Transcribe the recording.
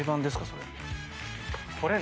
それ。